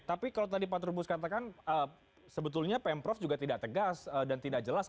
oke tapi kalau tadi pak turbus katakan sebetulnya pm prof juga tidak tegas dan tidak jelas